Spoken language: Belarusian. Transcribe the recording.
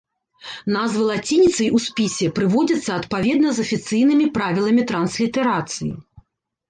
Назвы лацініцай у спісе прыводзяцца адпаведна з афіцыйнымі правіламі транслітарацыі.